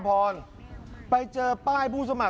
ตรงนี้น่าจะเป็นเพราะว่าที่คุณแบบ